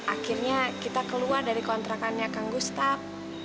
akhirnya kita keluar dari kontrakannya ke gustaf